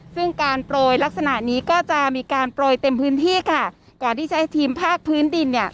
ซึ่งการโปรยลักษณะนี้ก็จะมีการโปรยเต็มพื้นที่ค่ะก่อนที่จะให้ทีมภาคพื้นดินเนี่ย